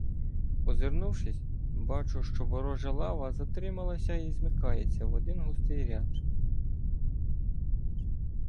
Озирнувшись, бачу, що ворожа лава затрималася і змикається в один густий ряд.